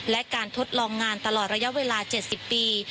และการทดลองงานตลอดระยะเวลา๗๐ปี